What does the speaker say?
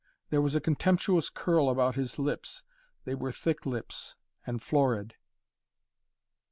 There was a contemptuous curl about his lips. They were thick lips and florid.